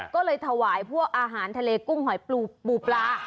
ก็เลยถวายพวกอาหารทะเลกุ้งหอยปูปลา